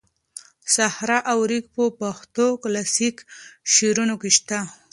صحرا او ریګ په پښتو کلاسیکو شعرونو کې شته.